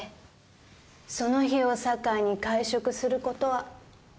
その日を境に会食する事は。